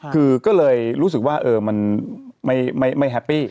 คือก็เลยรู้สึกว่ามันไม่แฮปปี้